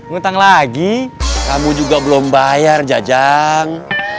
ngutang lagi kamu juga belum bayar jajang